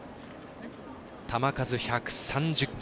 球数１３０球。